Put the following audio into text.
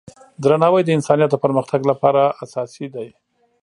درناوی د انسانیت د پرمختګ لپاره اساسي دی.